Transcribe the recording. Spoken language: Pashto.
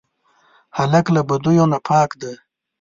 هلک له بدیو نه پاک دی.